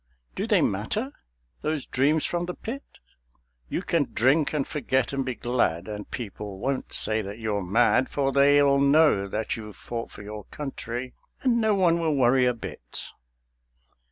Do they matter? those dreams from the pit?... You can drink and forget and be glad, And people won't say that you're mad; For they'll know that you've fought for your country, And no one will worry a bit.